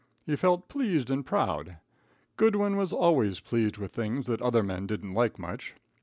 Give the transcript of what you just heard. He felt pleased and proud. Goodwin was always pleased with things that other men didn't like much.